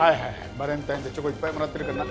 バレンタインでチョコいっぱいもらってるからな。